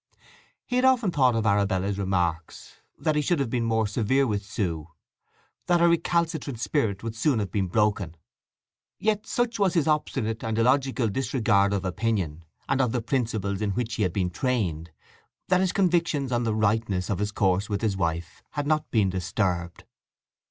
He had often thought of Arabella's remarks that he should have been more severe with Sue, that her recalcitrant spirit would soon have been broken. Yet such was his obstinate and illogical disregard of opinion, and of the principles in which he had been trained, that his convictions on the rightness of his course with his wife had not been disturbed.